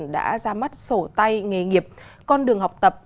đã ra mắt sổ tay nghề nghiệp con đường học tập